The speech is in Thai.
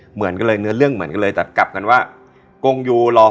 เหมือนกันเลยเนื้อเรื่องเหมือนกันเลยแต่กลับกันว่ากงยูรอ